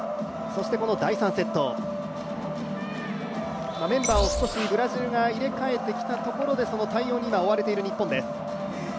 そしてこの第３セット、メンバーを少しブラジルが入れ替えてきたところでその対応に今追われている日本です。